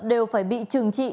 đều phải bị trừng trị